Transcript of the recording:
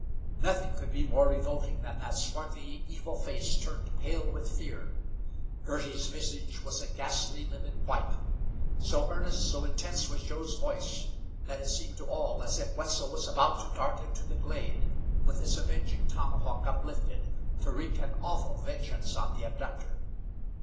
Nothing could be more revolting than that swarthy, evil face turned pale with fear. Girty's visage was a ghastly, livid white. So earnest, so intense was Joe's voice, that it seemed to all as if Wetzel was about to dart into the glade, with his avenging tomahawk uplifted to wreak an awful vengeance on the abductor.